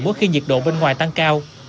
mỗi khi nhiệt độ bên ngoài tăng cao